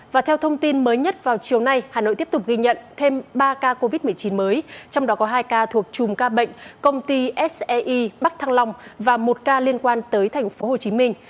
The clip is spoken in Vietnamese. và theo thông tin mới nhất vào chiều nay hà nội tiếp tục ghi nhận thêm ba ca covid một mươi chín mới trong đó có hai ca thuộc chùm ca bệnh công ty sei bắc thăng long và một ca liên quan tới thành phố hồ chí minh